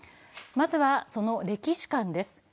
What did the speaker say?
まずは、その歴史観です。